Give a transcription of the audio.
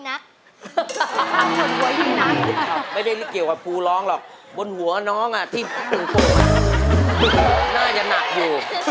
น่าจะหนักอยู่